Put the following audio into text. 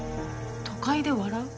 『都会で笑う』？